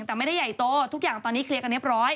แต่ไม่ได้ใหญ่โตทุกอย่างตอนนี้เคลียร์กันเรียบร้อย